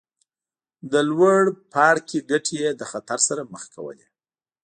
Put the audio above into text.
د لوړ پاړکي ګټې یې له خطر سره مخ کولې.